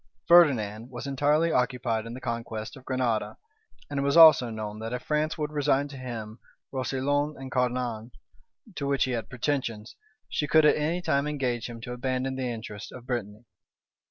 Ferdinand was entirely occupied in the conquest of Granada; and it was also known, that if France would resign to him Roussillon and Cerdagne, to which he had pretensions, she could at any time engage him to abandon the interests of Brittany.